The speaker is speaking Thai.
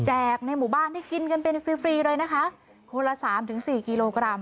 ในหมู่บ้านได้กินกันเป็นฟรีฟรีเลยนะคะคนละสามถึงสี่กิโลกรัม